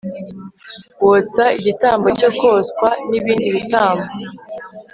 wotsa igitambo cyo koswa n'ibindi bitambo